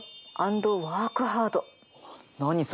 何それ？